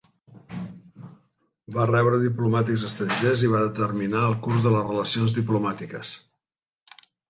Va rebre diplomàtics estrangers i va determinar el curs de les relacions diplomàtiques.